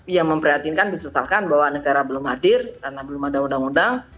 yang memprihatinkan disesalkan bahwa negara belum hadir karena belum ada undang undang